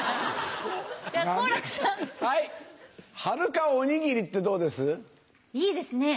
はるかおにぎりってどうです？